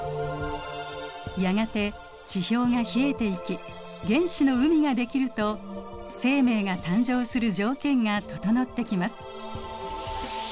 やがて地表が冷えていき原始の海ができると生命が誕生する条件が整ってきます。